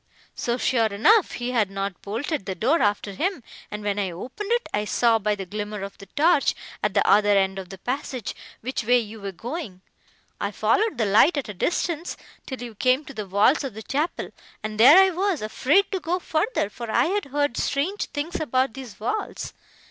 So, sure enough, he had not bolted the door after him, and, when I opened it, I saw, by the glimmer of the torch, at the other end of the passage, which way you were going. I followed the light, at a distance, till you came to the vaults of the chapel, and there I was afraid to go further, for I had heard strange things about these vaults.